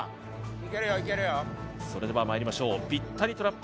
・いけるよいけるよそれではまいりましょうぴったりトラップ